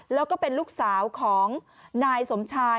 แล้วก็เป็นลูกสาวของนายสมชาย